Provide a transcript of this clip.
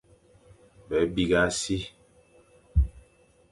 Be bîgha si,